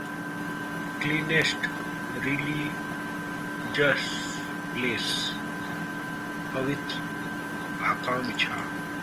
cleanest religious place पवित्र आकांक्षा